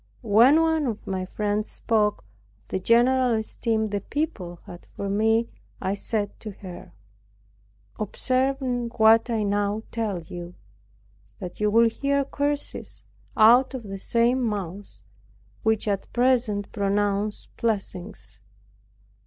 '" When one of my friends speaking of the general esteem the people had for me, I said to her, "Observe what I now tell you, that you will hear curses cut of the same mouths which at present pronounce blessings."